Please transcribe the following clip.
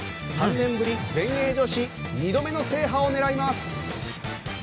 ３年ぶり、全英女子２度目の制覇を狙います！